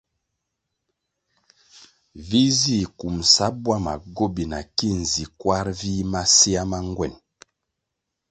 Vi zih kumbʼsa bwama gobina ki zi kwar vih masea ma ngwen.